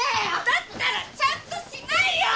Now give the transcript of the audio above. だったらちゃんとしないよ！